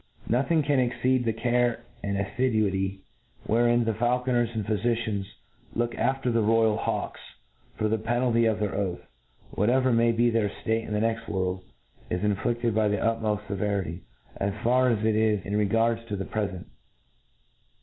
Nothing can exceed the care and afliduity wherewith the faulconers and pbyficians look afr ter the royal hawks ; for the penalty of their oath, whatever may be fhidr fate in the jxcxt wprld, 13 inflifted with the utmoft feverity, as fer as it ro gards the prefent.